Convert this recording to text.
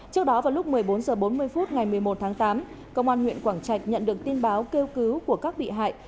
trước đó vào lúc một mươi bốn h bốn mươi phút ngày một mươi một tháng tám công an huyện quảng trạch nhận được tin báo kêu cứu của các bị hại